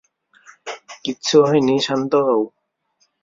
কিচ্ছু হয়নি, শান্ত হও।